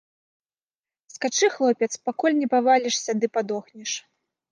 Скачы, хлопец, пакуль не павалішся ды падохнеш.